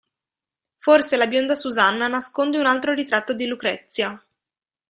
Forse la bionda Susanna nasconde un altro ritratto di Lucrezia.